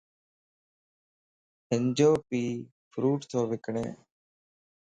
ھنجو پي ڦروٽ تو وڪڻ